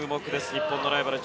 日本のライバル